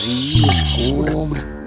makanya sekarang kita ke rumah kemet